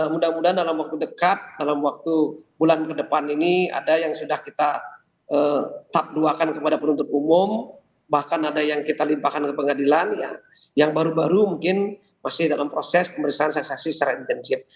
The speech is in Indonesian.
mudah mudahan dalam waktu dekat dalam waktu bulan ke depan ini ada yang sudah kita tap duakan kepada penuntut umum bahkan ada yang kita limpahkan ke pengadilan yang baru baru mungkin masih dalam proses pemeriksaan saksi secara intensif